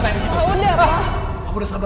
pak aku udah sabar ya